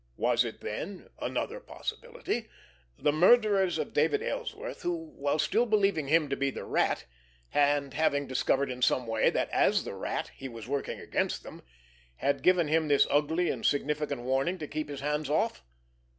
Was it, then—another possibility—the murderers of David Ellsworth, who, while still believing him to be the Rat, and having discovered in some way that, as the Rat, he was working against them, had given him this ugly and significant warning to keep his hands off?